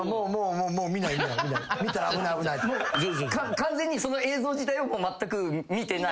完全にその映像自体をまったく見てない。